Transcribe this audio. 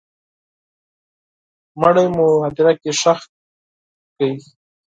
مړی مو هدیره کي ښخ کړی